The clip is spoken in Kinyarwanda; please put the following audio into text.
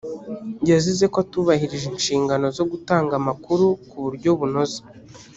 yazize ko atubahirije inshingano zo gutanga amakuru ku buryo bunoze